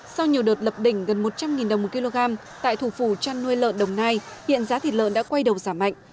sau nhiều đợt lập đỉnh gần một trăm linh đồng một kg tại thủ phủ chăn nuôi lợn đồng nai hiện giá thịt lợn đã quay đầu giảm mạnh